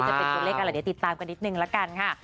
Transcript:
เป็นช่วงเลขอะไรเดี๋ยวติดตามกันนิดหนึ่งแล้วกันค่ะ